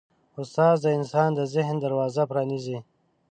استاد د انسان د ذهن دروازه پرانیزي.